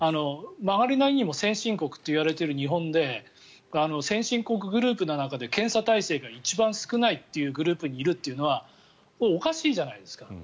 曲がりなりにも先進国といわれている日本で先進国グループの中で検査体制が一番少ないというグループにいるのはおかしいじゃないですか。